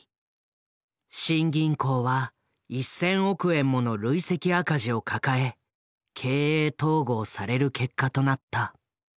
新銀行は１，０００億円もの累積赤字を抱え経営統合される結果となった。